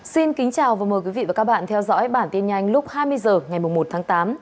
xin kính chào và mời quý vị và các bạn theo dõi bản tin nhanh lúc hai mươi h ngày một tháng tám